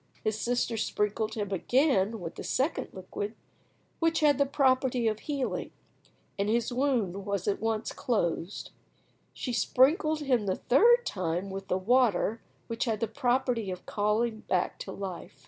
His sister sprinkled him again with the second liquid, which had the property of healing, and his wound at once closed. She sprinkled him the third time with the water which had the property of calling back to life.